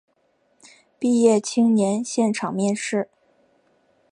毕业青年现场面试